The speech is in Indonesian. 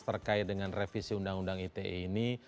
terkait dengan revisi undang undang ite ini